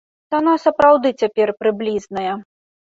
Цана сапраўды цяпер прыблізная.